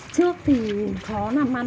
trước thì khó làm ăn